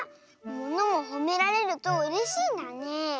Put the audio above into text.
ものもほめられるとうれしいんだね。